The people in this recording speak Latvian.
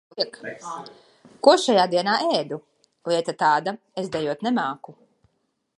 Ko šajā dienā ēdu. Lieta tāda, es dejot nemāku.